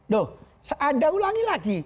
nuh anda ulangi lagi